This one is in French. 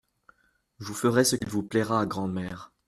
Vous ferez ce qu'il vous plaira, grand'mère.